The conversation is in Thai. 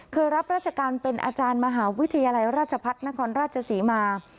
รับราชการเป็นอาจารย์มหาวิทยาลัยราชพัฒนครราชศรีมา